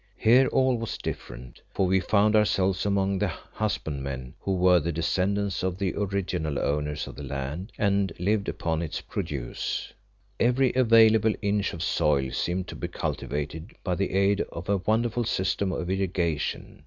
Here all was different, for we found ourselves among the husbandmen, who were the descendants of the original owners of the land and lived upon its produce. Every available inch of soil seemed to be cultivated by the aid of a wonderful system of irrigation.